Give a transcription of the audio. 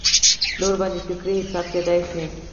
نه ورباندې فکري حساب کېدای شي.